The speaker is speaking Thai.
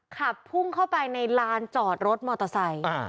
ขับพุ่งเข้าไปในลานจอดรถมอเตอร์ไซค์